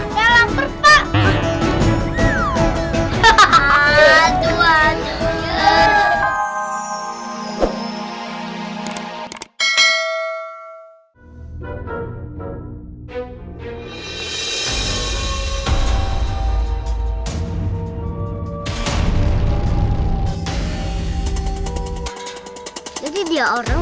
bersama satu anitates